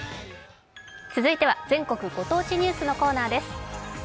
続いては「全国ご当地ニュース」のコーナーです。